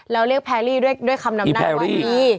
แล้วเรียกแพรรี่ด้วยคำนำหน้าว่าอี